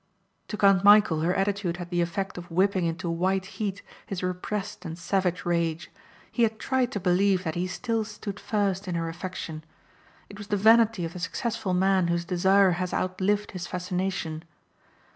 To Count Michæl her attitude had the effect of whipping into white heat his repressed and savage rage. He had tried to believe that he still stood first in her affection. It was the vanity of the successful man whose desire has outlived his fascination.